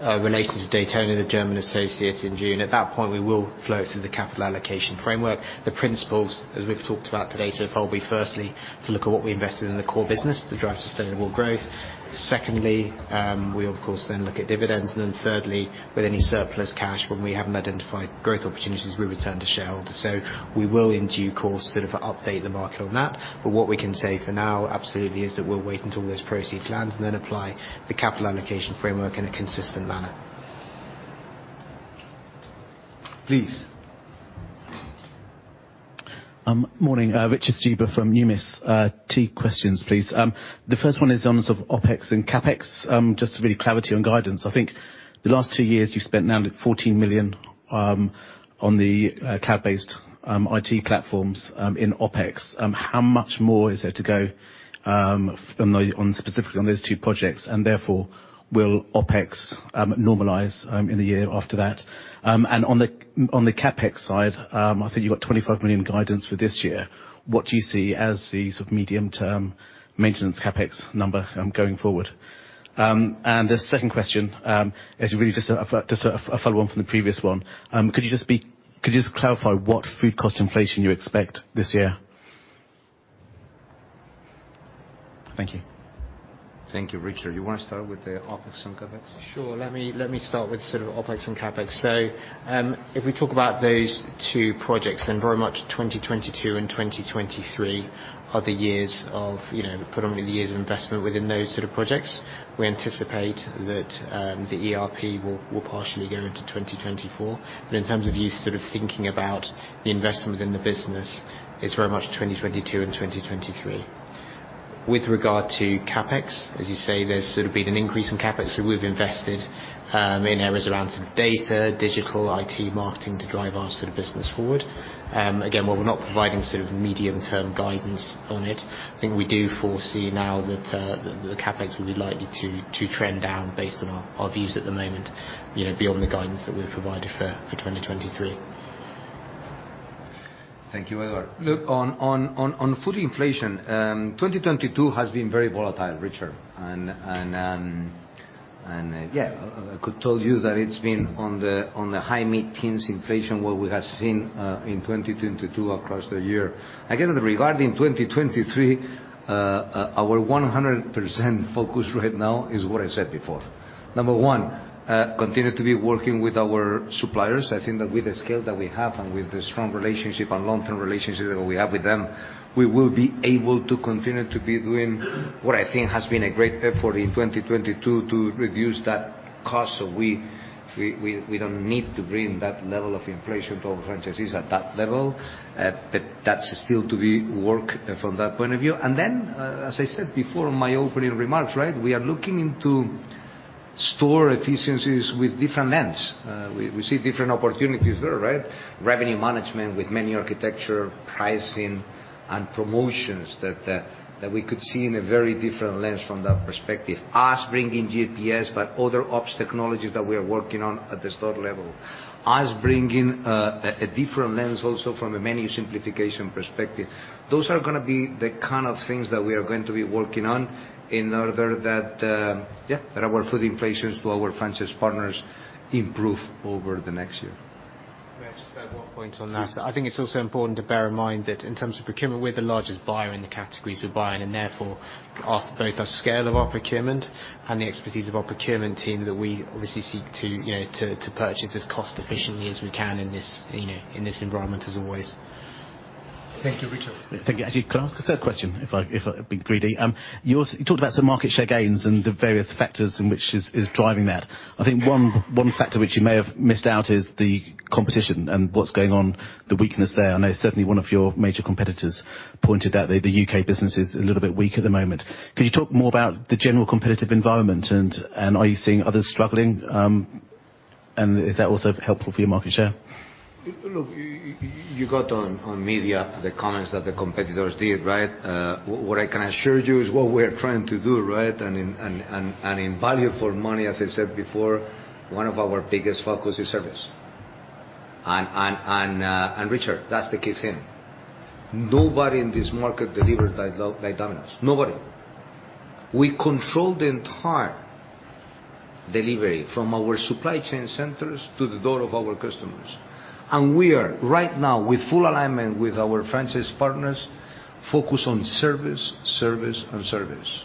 related to Daytona, the German associate, in June. At that point, we will flow it through the capital allocation framework. The principles, as we've talked about today so far, will be firstly to look at what we invested in the core business to drive sustainable growth. Secondly, we of course then look at dividends. Thirdly, with any surplus cash, when we haven't identified growth opportunities, we return to shareholders. We will in due course sort of update the market on that. What we can say for now absolutely is that we'll wait until those proceeds land and then apply the capital allocation framework in a consistent manner. Please. Morning. Richard Stuber from Numis. Two questions, please. The first one is on the sort of OpEx and CapEx, just for clarity and guidance. I think the last two years you've spent now 14 million on the cloud-based IT platforms in OpEx. How much more is there to go on specifically on those two projects? Therefore, will OpEx normalize in the year after that? On the CapEx side, I think you've got 25 million guidance for this year. What do you see as the sort of medium-term maintenance CapEx number going forward? The second question is really just a follow on from the previous one. Could you just clarify what food cost inflation you expect this year? Thank you. Thank you. Richard, you wanna start with the OpEx and CapEx? Sure. Let me start with sort of OpEx and CapEx. If we talk about those two projects, then very much 2022 and 2023 are the years of, you know, predominantly the years of investment within those sort of projects. We anticipate that the ERP will partially go into 2024. In terms of you sort of thinking about the investment within the business, it's very much 2022 and 2023. With regard to CapEx, as you say, there's sort of been an increase in CapEx. We've invested in areas around sort of data, digital, IT, marketing to drive our sort of business forward. Again, while we're not providing sort of medium-term guidance on it, I think we do foresee now that the CapEx will be likely to trend down based on our views at the moment, you know, beyond the guidance that we've provided for 2023. Thank you, Edward. Look, on food inflation, 2022 has been very volatile, Richard. Yeah, I could tell you that it's been on the high mid-teens inflation what we have seen in 2022 across the year. Regarding 2023, our 100% focus right now is what I said before. Number one, continue to be working with our suppliers. I think that with the scale that we have and with the strong relationship and long-term relationship that we have with them, we will be able to continue to be doing what I think has been a great effort in 2022 to reduce that cost. We don't need to bring that level of inflation to our franchisees at that level. That's still to be worked from that point of view. As I said before in my opening remarks, right. We are looking into store efficiencies with different lens. We see different opportunities there, right. Revenue management with menu architecture, pricing and promotions that we could see in a very different lens from that perspective. Us bringing GPS, but other Ops technologies that we are working on at the store level. Us bringing a different lens also from a menu simplification perspective. Those are gonna be the kind of things that we are going to be working on in order that our food inflations to our franchise partners improve over the next year. May I just add one point on that? I think it's also important to bear in mind that in terms of procurement, we're the largest buyer in the categories we're buying, therefore, us, both our scale of our procurement and the expertise of our procurement team that we obviously seek to, you know, to purchase as cost efficiently as we can in this, you know, in this environment as always. Thank you, Richard. Thank you. Actually, can I ask a third question, if I'm being greedy? You talked about some market share gains and the various factors in which is driving that. I think one factor which you may have missed out is the competition and what's going on, the weakness there. I know certainly one of your major competitors pointed out that the U.K. business is a little bit weak at the moment. Could you talk more about the general competitive environment and are you seeing others struggling? Is that also helpful for your market share? Look, you got on media the comments that the competitors did, right? What I can assure you is what we are trying to do, right? In value for money, as I said before, one of our biggest focus is service. Richard, that's the key thing. Nobody in this market delivers like Domino's. Nobody. We control the entire delivery from our supply chain centers to the door of our customers. We are right now, with full alignment with our franchise partners, focused on service and service.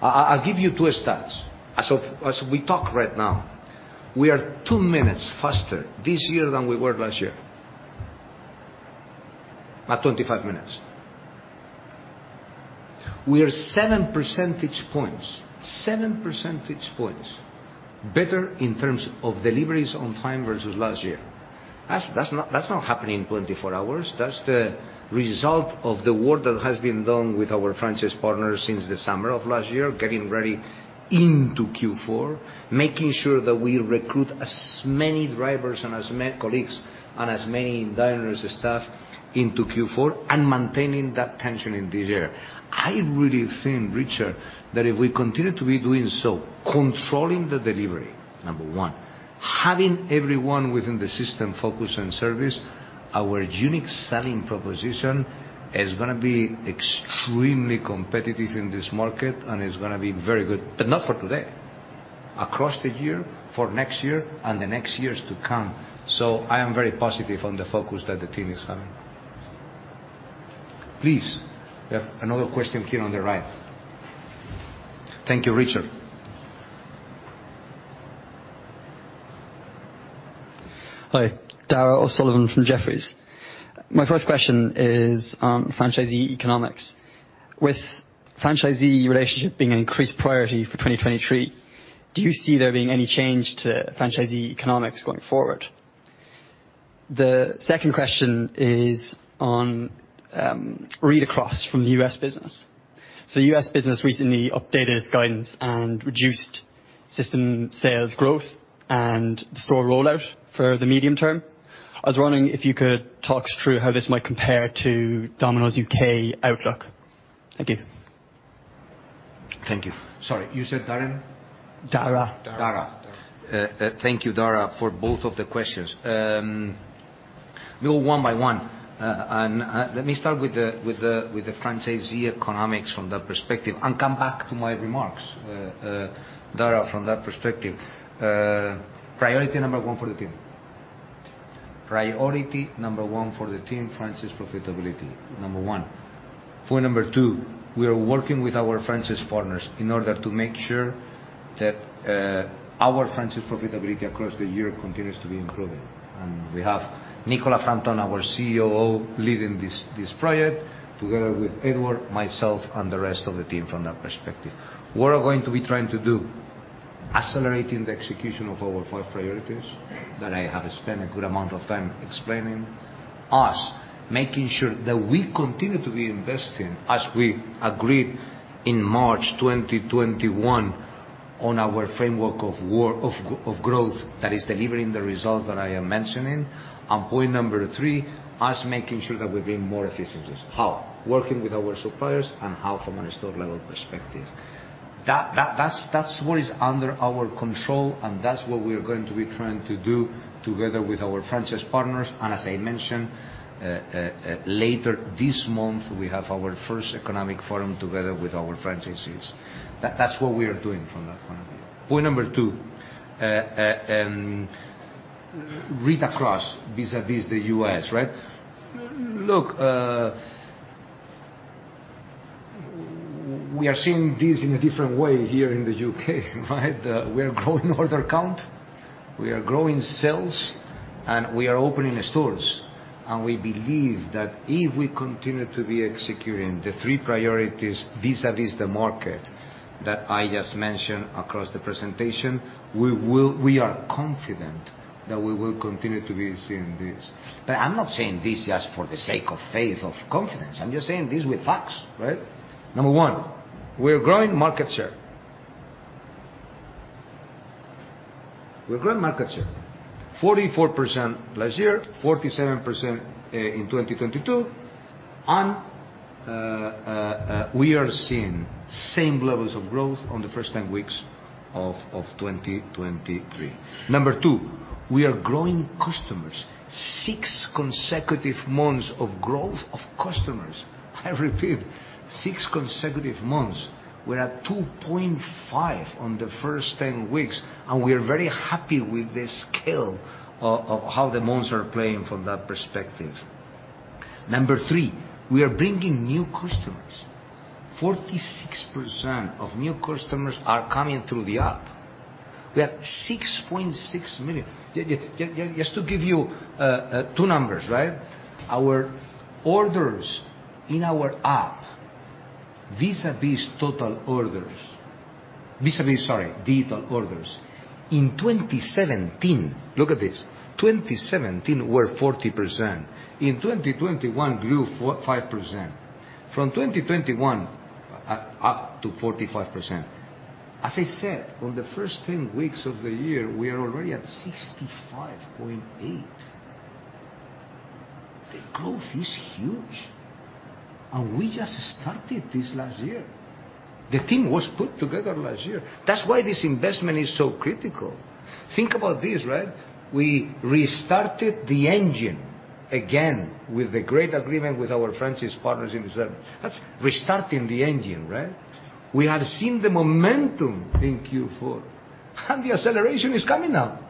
I'll give you two stats. As we talk right now, we are two minutes faster this year than we were last year. At 25 minutes. We are seven percentage points better in terms of deliveries on time versus last year. That's not happening in 24 hours. That's the result of the work that has been done with our franchise partners since the summer of last year, getting ready into Q4, making sure that we recruit as many drivers and as many colleagues and as many Domino's staff into Q4, maintaining that tension in this year. I really think, Richard, that if we continue to be doing so, controlling the delivery, number one, having everyone within the system focused on service, our unique selling proposition is gonna be extremely competitive in this market, it's gonna be very good. Not for today. Across the year, for next year, the next years to come. I am very positive on the focus that the team is having. Please, another question here on the right. Thank you, Richard. Hi. Darragh O'Sullivan from Jefferies. My first question is on franchisee economics. With franchisee relationship being an increased priority for 2023, do you see there being any change to franchisee economics going forward? The second question is on read across from the U.S. business. U.S. business recently updated its guidance and reduced system sales growth and store rollout for the medium term. I was wondering if you could talk through how this might compare to Domino's U.K. outlook. Thank you. Thank you. Sorry, you said Darragh? Darragh. Darragh. Darragh. Thank you, Darragh, for both of the questions. We go one by one. Let me start with the franchisee economics from that perspective and come back to my remarks, Darragh, from that perspective. Priority number one for the team. Priority number one for the team, franchise profitability, number one. Point number two, we are working with our franchise partners in order to make sure that our franchise profitability across the year continues to be improving. And we have Nicola Frampton, our COO, leading this project together with Edward, myself, and the rest of the team from that perspective. We're going to be trying to do accelerating the execution of our five priorities that I have spent a good amount of time explaining. Us, making sure that we continue to be investing as we agreed in March 2021 on our framework of work, of growth that is delivering the results that I am mentioning. Point number three, us, making sure that we're being more efficient. How? Working with our suppliers and how from a store level perspective. That's what is under our control, and that's what we are going to be trying to do together with our franchise partners. As I mentioned, later this month, we have our first economic forum together with our franchisees. That's what we are doing from that point of view. Point number two, read across vis-à-vis the U.S., right? Look, we are seeing this in a different way here in the U.K., right? We are growing order count, we are growing sales, and we are opening stores. We believe that if we continue to be executing the three priorities vis-à-vis the market that I just mentioned across the presentation, we are confident that we will continue to be seeing this. I'm not saying this just for the sake of faith, of confidence. I'm just saying this with facts, right? Number one, we are growing market share. We are growing market share. 44% last year, 47% in 2022, and we are seeing same levels of growth on the first 10 weeks of 2023. Number two, we are growing customers. Six consecutive months of growth of customers. I repeat, six consecutive months. We're at 2.5 on the first 10 weeks. We are very happy with the scale of how the months are playing from that perspective. Number three, we are bringing new customers. 46% of new customers are coming through the app. We have 6.6 million. Just to give you two numbers, right? Our orders in our app, vis-à-vis total orders, vis-à-vis, sorry, digital orders. In 2017, look at this, 2017 were 40%. In 2021, grew 5%. From 2021, up to 45%. As I said, on the first 10 weeks of the year, we are already at 65.8%. The growth is huge. We just started this last year. The team was put together last year. That's why this investment is so critical. Think about this, right? We restarted the engine again with a great agreement with our franchise partners in the seven. That's restarting the engine, right? We have seen the momentum in Q4, and the acceleration is coming now.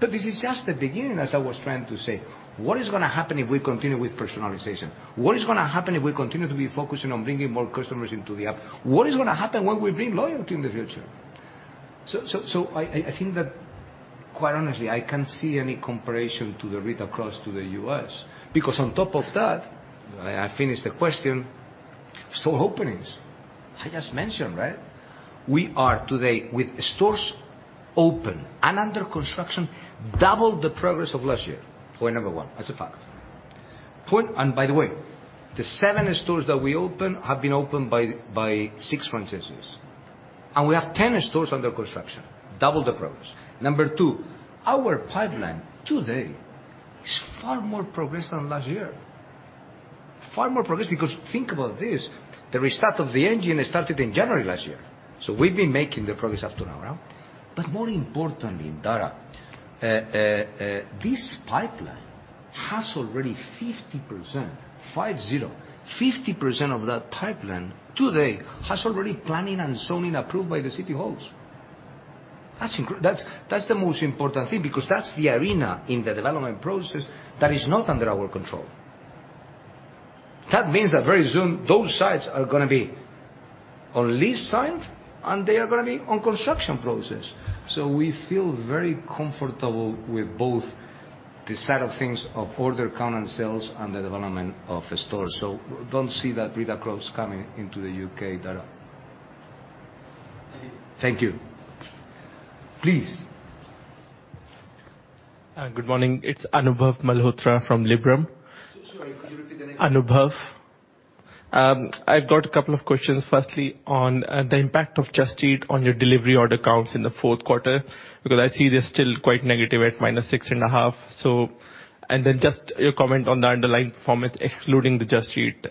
This is just the beginning, as I was trying to say. What is gonna happen if we continue with personalization? What is gonna happen if we continue to be focusing on bringing more customers into the app? What is gonna happen when we bring loyalty in the future? I think that quite honestly, I can't see any comparison to the read across to the U.S. because on top of that, I finish the question, store openings. I just mentioned, right? We are today with stores open and under construction, double the progress of last year. Point number one. That's a fact. By the way, the seven stores that we opened have been opened by six franchisees. We have 10 stores under construction. Double the progress. Number two, our pipeline today is far more progress than last year. Far more progress because think about this, the restart of the engine started in January last year. We've been making the progress up to now, right? More importantly, Darragh, this pipeline has already 50%. 50% of that pipeline today has already planning and zoning approved by the city halls. That's the most important thing because that's the arena in the development process that is not under our control. That means that very soon, those sites are gonna be on lease signed, and they are gonna be on construction process. We feel very comfortable with both the side of things of order count and sales and the development of stores. Don't see that read across coming into the UK, Darragh. Thank you. Thank you. Please. Good morning. It's Anubhav Malhotra from Liberum. Sorry, could you repeat the name? Anubhav. I've got a couple of questions. Firstly, on the impact of Just Eat on your delivery order counts in the fourth quarter, because I see they're still quite negative at -6.5%. Just your comment on the underlying performance, excluding the Just Eat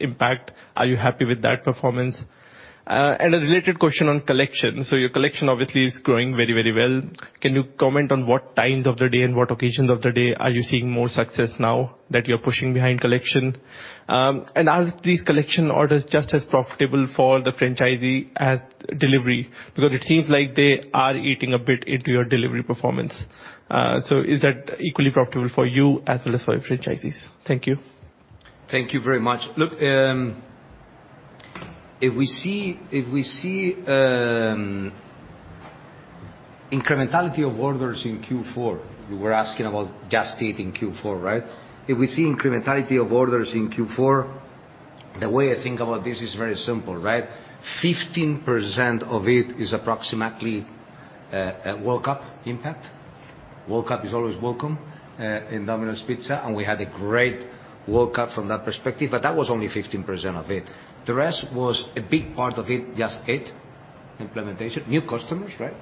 impact. Are you happy with that performance? A related question on collection. Your collection obviously is growing very, very well. Can you comment on what times of the day and what occasions of the day are you seeing more success now that you're pushing behind collection? Are these collection orders just as profitable for the franchisee as delivery? Because it seems like they are eating a bit into your delivery performance. Is that equally profitable for you as well as for your franchisees? Thank you. Thank you very much. Look, if we see incrementality of orders in Q4, you were asking about Just Eat in Q4, right. If we see incrementality of orders in Q4, the way I think about this is very simple, right. 15% of it is approximately World Cup impact. World Cup is always welcome in Domino's Pizza. We had a great World Cup from that perspective, but that was only 15% of it. The rest was a big part of it, Just Eat. Implementation. New customers, right.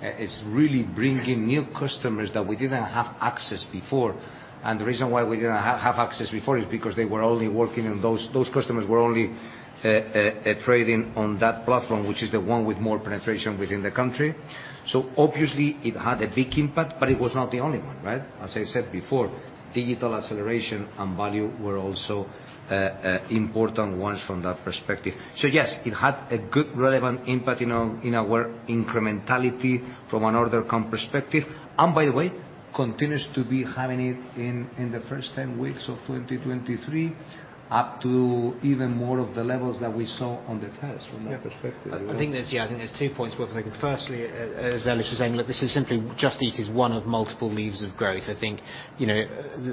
It's really bringing new customers that we didn't have access before. The reason why we didn't have access before is because those customers were only trading on that platform, which is the one with more penetration within the country. Obviously, it had a big impact, but it was not the only one, right? As I said before, digital acceleration and value were also important ones from that perspective. Yes, it had a good relevant impact in our incrementality from an order comp perspective, and by the way, continues to be having it in the first 10 weeks of 2023, up to even more of the levels that we saw on the test from that perspective. I think there's two points worth making. Firstly, as Elias was saying, look, this is simply, Just Eat is one of multiple levers of growth. I think, you know,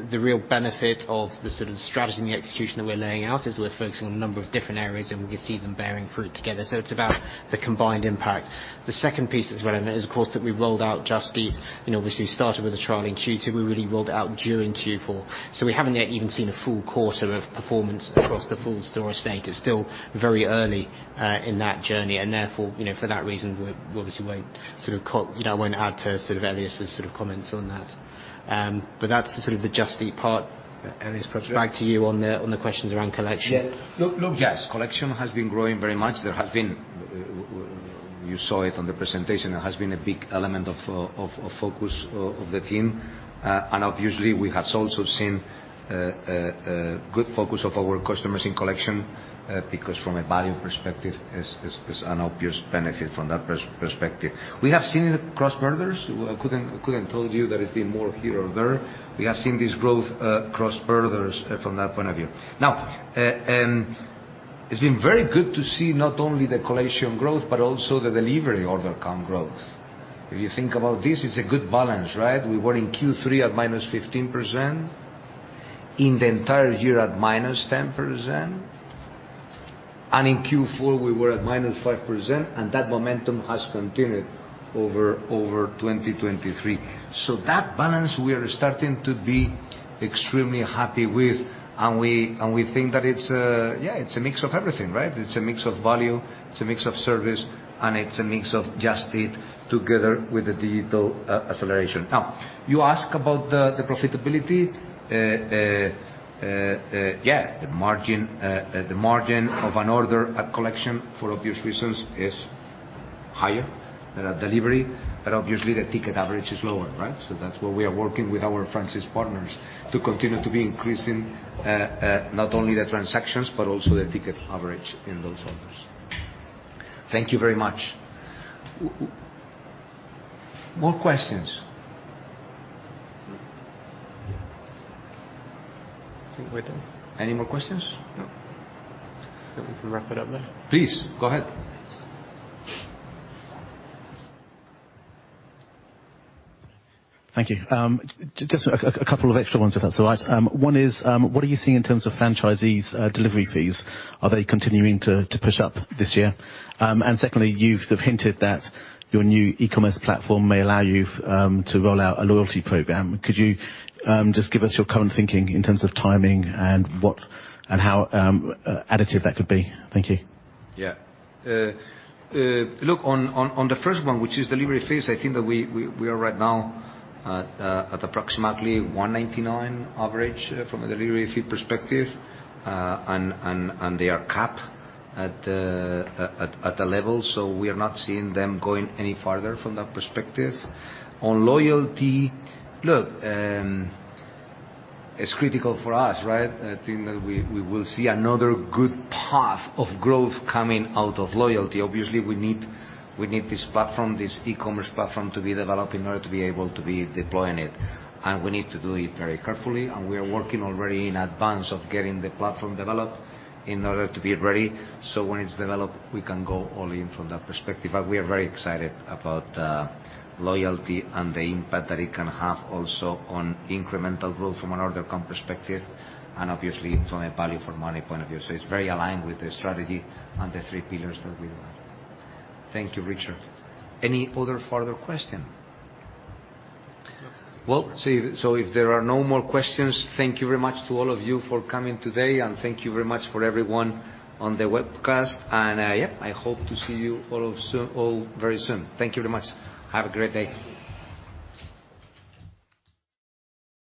the real benefit of the sort of strategy and the execution that we're laying out is we're focusing on a number of different areas, and we could see them bearing fruit together. It's about the combined impact. The second piece as well is, of course, that we've rolled out Just Eat, you know, obviously started with a trial in Q2. We really rolled out during Q4. We haven't yet even seen a full quarter of performance across the full store estate. It's still very early in that journey. Therefore, you know, for that reason, we obviously won't sort of call. You know, I won't add to sort of Elias' sort of comments on that. That's the sort of the Just Eat part. Elias, perhaps back to you on the, on the questions around collection. Yeah. Look, yes, collection has been growing very much. There has been. You saw it on the presentation. There has been a big element of focus of the team. Obviously, we have also seen a good focus of our customers in collection, because from a value perspective is an obvious benefit from that perspective. We have seen it across borders. We couldn't told you that it's been more here or there. We have seen this growth across borders from that point of view. Now, it's been very good to see not only the collection growth but also the delivery order comp growth. If you think about this, it's a good balance, right? We were in Q3 at -15%, in the entire year at -10%, in Q4, we were at -5%, that momentum has continued over 2023. That balance we are starting to be extremely happy with, and we think that it's, yeah, it's a mix of everything, right? It's a mix of value, it's a mix of service, and it's a mix of Just Eat together with the digital acceleration. Now, you ask about the profitability. Yeah, the margin of an order at collection for obvious reasons is higher than at delivery, obviously, the ticket average is lower, right? That's where we are working with our franchise partners to continue to be increasing not only the transactions but also the ticket average in those orders. Thank you very much. More questions. I think we're done. Any more questions? No. I think we can wrap it up there. Please, go ahead. Thank you. Just a couple of extra ones if that's all right. One is, what are you seeing in terms of franchisees' delivery fees? Are they continuing to push up this year? Secondly, you've sort of hinted that your new e-commerce platform may allow you to roll out a loyalty program. Could you just give us your current thinking in terms of timing and what, and how, additive that could be? Thank you. Yeah. Look, on the first one, which is delivery fees, I think that we are right now at approximately 1.99 average from a delivery fee perspective. They are capped at a level, so we are not seeing them going any farther from that perspective. On loyalty, look, it's critical for us, right? I think that we will see another good path of growth coming out of loyalty. Obviously, we need this platform, this e-commerce platform to be developed in order to be able to be deploying it. We need to do it very carefully, and we are working already in advance of getting the platform developed in order to be ready. When it's developed, we can go all in from that perspective. We are very excited about loyalty and the impact that it can have also on incremental growth from an order comp perspective and obviously from a value for money point of view. It's very aligned with the strategy and the three pillars that we have. Thank you, Richard. Any other further question? If there are no more questions, thank you very much to all of you for coming today, and thank you very much for everyone on the webcast. I hope to see you all very soon. Thank you very much. Have a great day.